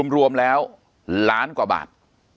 รวมแล้วล้านกว่าบาท